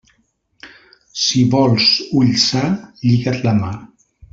Si vols ull sa, lliga't la mà.